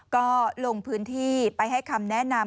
ก็ลงพื้นที่ไปให้คำแนะนำ